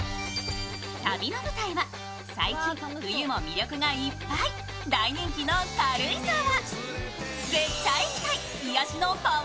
旅の舞台は最近、冬も魅力がいっぱい大人気の軽井沢。